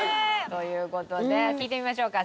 という事で聴いてみましょうか。